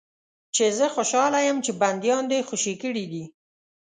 چې زه خوشاله یم چې بندیان دې خوشي کړي دي.